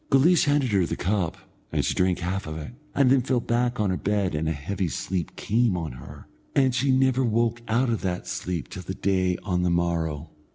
Guleesh handed her the cup, and she drank half of it, and then fell back on her bed and a heavy sleep came on her, and she never woke out of that sleep till the day on the morrow.